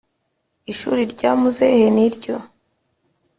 ishuri rya muzehe ni ryo.